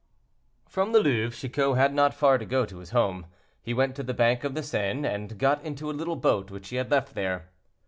From the Louvre Chicot had not far to go to his home. He went to the bank of the Seine and got into a little boat which he had left there.